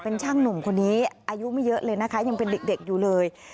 เป็นช่างหนุ่มคนนี้อายุไม่เยอะเลยนะคะยังเป็นเด็กอยู่เลย